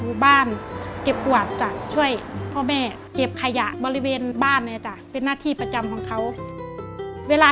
อยู่บ้านเก็บกวาดจ้ะช่วยพ่อแม่เก็บขยะบริเวณบ้านเนี่ยจ้ะเป็นหน้าที่ประจำของเขาเวลา